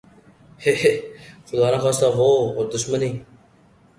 ھے ھے! خدا نخواستہ وہ اور دشمنی